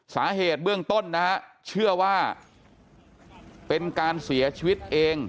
สาเหตุเบื้องต้นนะฮะเชื่อว่าเป็นการเสียชีวิตเอง